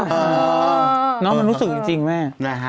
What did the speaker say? ยังไม่ได้ตอบรับหรือเปล่ายังไม่ได้ตอบรับหรือเปล่า